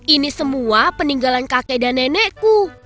ini semua peninggalan kakek dan nenekku